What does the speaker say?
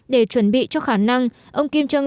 để chuẩn bị cho khả năng